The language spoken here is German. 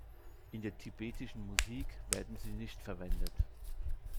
In der tibetischen Musik werden sie nicht verwendet.